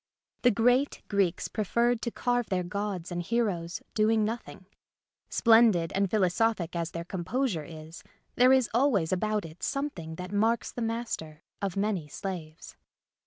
The great Greeks preferred to carve their gods and heroes doing nothing. Splendid and philosophic as their composure is there is always about it something that marks the master of many slaves.